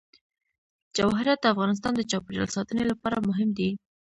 جواهرات د افغانستان د چاپیریال ساتنې لپاره مهم دي.